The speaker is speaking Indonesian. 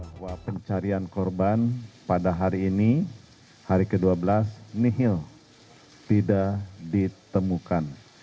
bahwa pencarian korban pada hari ini hari ke dua belas nihil tidak ditemukan